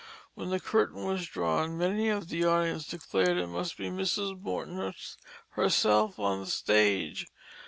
When the curtain was drawn, many of the audience declared it must be Mrs. Morton herself on the stage.